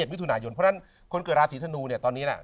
มิถุนายนเพราะฉะนั้นคนเกิดราศีธนูเนี่ยตอนนี้นะ